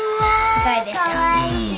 すごいでしょ？